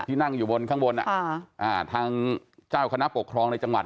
นั่งอยู่บนข้างบนทางเจ้าคณะปกครองในจังหวัด